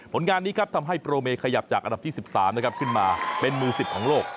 ผลงานนี้ครับทำให้โปรเมขยับจากอันดับที่๑๓นะครับขึ้นมาเป็นมือ๑๐ของโลก